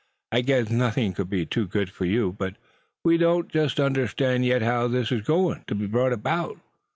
"I guess nothing could be too good for you. But we don't just understand yet how this is going to be brought about.